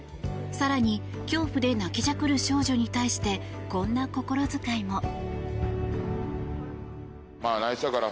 更に、恐怖で泣きじゃくる少女に対してこんな心遣いも。